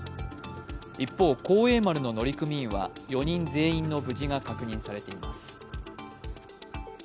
一方、「幸栄丸」の乗組員は４人全員の無事が確認されています